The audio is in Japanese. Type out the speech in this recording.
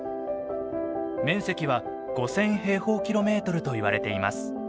面積は５，０００平方キロメートルといわれています。